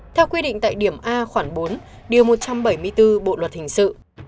theo quy định tại điểm a khoảng bốn điều một trăm bảy mươi bốn bộ luật hình sự